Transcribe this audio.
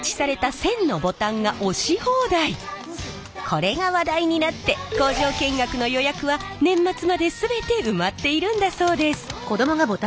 これが話題になって工場見学の予約は年末まで全て埋まっているんだそうです。